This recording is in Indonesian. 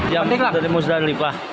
jam dari musdalifah